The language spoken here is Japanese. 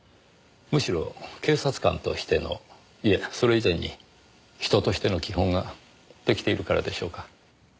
むしろ警察官としてのいえそれ以前に人としての基本が出来ているからでしょうか。